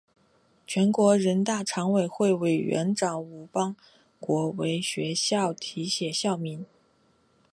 全国人大常委会委员长吴邦国为学院题写校名。